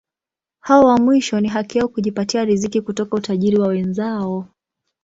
Hao wa mwisho ni haki yao kujipatia riziki kutoka utajiri wa wenzao.